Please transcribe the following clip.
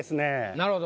なるほど。